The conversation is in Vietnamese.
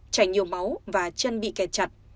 chảy nhiều máu và chân bị kẹt chặt